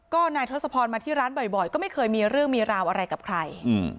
ก็นายทศพรมาที่ร้านบ่อยก็ไม่เคยมีเรื่องมีราวอะไรกับใคร